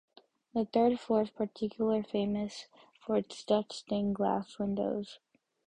The third floor is particular famous for its Dutch stained-glass windows.